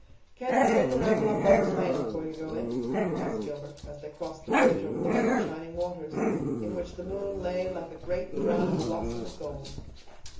"Can't we take a ramble up Lovers' Lane before you go in?" asked Gilbert as they crossed the bridge over the Lake of Shining Waters, in which the moon lay like a great, drowned blossom of gold.